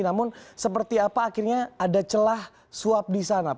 namun seperti apa akhirnya ada celah suap di sana pak